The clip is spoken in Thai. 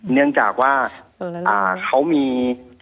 เนื่องจากว่าเขามี